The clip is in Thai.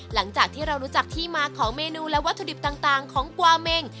หลังจากที่เรารู้จักที่มาของเมนูและวัตถุดิบต่างของกวาเมง